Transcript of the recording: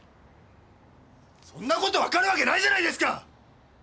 そんなことわかるわけないじゃないですか！